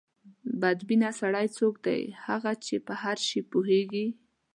بد بینه سړی څوک دی؟ هغه چې په هر شي پوهېږي.